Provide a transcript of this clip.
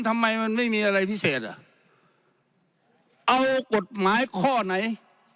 ทำไมมันไม่มีอะไรพิเศษอ่ะเอากฎหมายข้อไหน